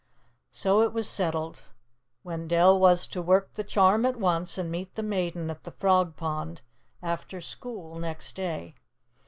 So it was settled. Wendell was to work the charm at once and meet the Maiden at the Frog Pond after school next day.